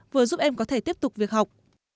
vừa giúp em có thể tiếp tục việc học